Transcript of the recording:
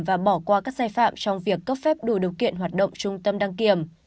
và bỏ qua các sai phạm trong việc cấp phép đủ điều kiện hoạt động trung tâm đăng kiểm